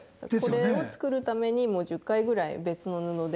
これを作るために１０回ぐらい別の布で練習して。